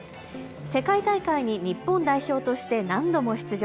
世界大会に日本代表として何度も出場。